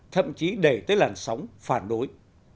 thậm chí để tới làn sóng phản đối